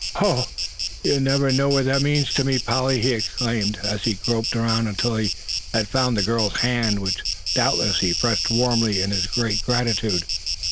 "Oh! you'll never know what that means to me, Polly!" he exclaimed, as he groped around until he had found the girl's hand, which doubtless he pressed warmly in his great gratitude.